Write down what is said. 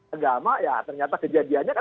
agama ya ternyata kejadiannya kan